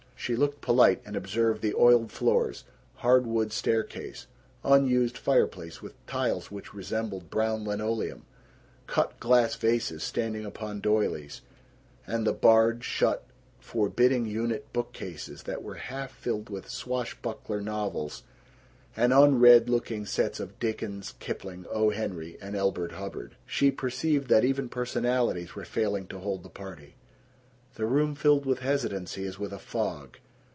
She looked polite, and observed the oiled floors, hard wood staircase, unused fireplace with tiles which resembled brown linoleum, cut glass vases standing upon doilies, and the barred, shut, forbidding unit bookcases that were half filled with swashbuckler novels and unread looking sets of Dickens, Kipling, O. Henry, and Elbert Hubbard. She perceived that even personalities were failing to hold the party. The room filled with hesitancy as with a fog.